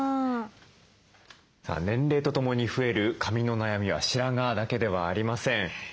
年齢とともに増える髪の悩みは白髪だけではありません。